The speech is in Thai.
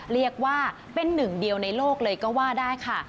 เรียกว่าเป็นหนึ่งเดียวในโลกเลยก็ว่าได้ค่ะ